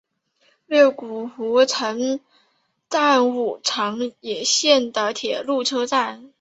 越谷湖城站武藏野线的铁路车站。